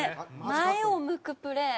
前を向くプレー。